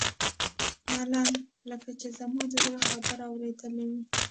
ملنګ لکه چې زما د زړه خبره اورېدلې وي.